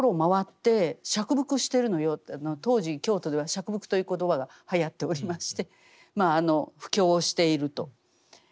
当時京都では折伏という言葉がはやっておりましてまああの布教をしていると。